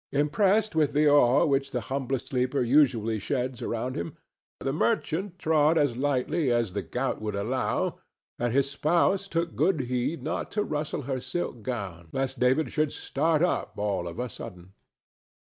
Impressed with the awe which the humblest sleeper usually sheds around him, the merchant trod as lightly as the gout would allow, and his spouse took good heed not to rustle her silk gown lest David should start up all of a sudden.